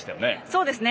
そうですね。